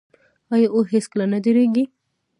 آیا او هیڅکله نه دریږي؟